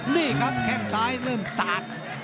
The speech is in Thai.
นี่ครับแข้งซ้ายเริ่มสาด